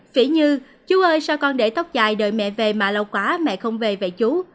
phi nhung chú ơi sao con để tóc dài đợi mẹ về mà lâu quá mẹ không về về chú